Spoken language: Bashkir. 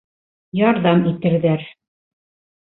Ярҙам итерҙәр.